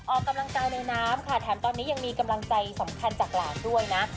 ออกกำลังกายในน้ำค่ะแถมตอนนี้ยังมีกำลังใจสำคัญจากหลานด้วยนะ